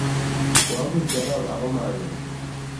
koaguk Jerop aku manyo